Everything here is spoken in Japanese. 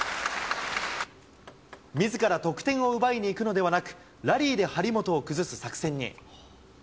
みずから得点を奪いに行くのではなく、ラリーで張本を崩す作戦に。